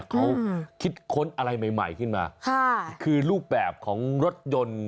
เขาคิดค้นอะไรใหม่ใหม่ขึ้นมาค่ะคือรูปแบบของรถยนต์